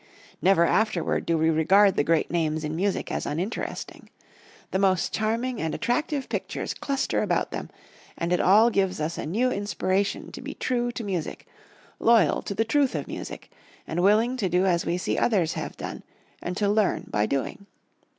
Never afterward do we regard the great names in music as uninteresting. The most charming and attractive pictures cluster about them and it all gives us a new inspiration to be true to music, loyal to the truth of music, and willing to do as we see others have done, and to learn by doing.